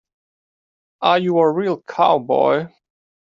Are you a real cowboy?